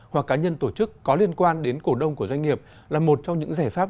hoặc cá nhân tổ chức có liên quan đến cổ đông của doanh nghiệp là một trong những giải pháp